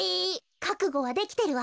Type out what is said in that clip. かくごはできてるわ。